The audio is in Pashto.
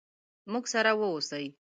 موږ سره ووسئ.